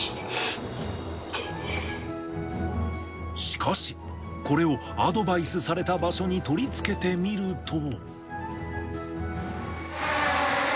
しかし、これをアドバイスされた場所に取り付けてみると。